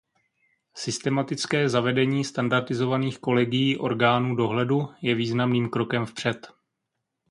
Systematické zavedení standardizovaných kolegií orgánů dohledu je významným krokem vpřed.